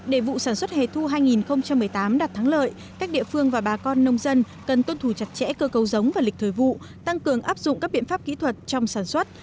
để vụ sản xuất hề thu hai nghìn một mươi tám đạt thắng lợi các địa phương và bà con nông dân cần tuân thủ chặt chẽ cơ cấu giống và lịch thời vụ tăng cường áp dụng các biện pháp kỹ thuật trong sản xuất